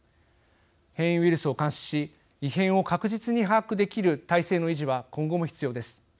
変異ウイルスを監視し異変を確実に把握できる体制の維持は今後も必要です。